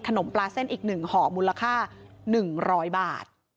ขนมปลาเส้นอีกหนึ่งห่อมูลค่า๑๐๐บาท